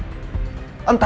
mbak andin lah